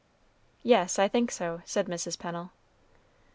"Yes, I think so," said Mrs. Pennel.